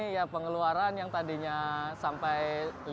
ya pengeluaran yang tadinya sampai lima puluh